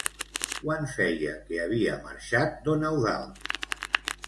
Quant feia que havia marxat don Eudald?